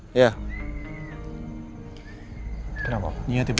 kau mau lihat kesana